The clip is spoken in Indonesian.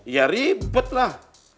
ya ribet lah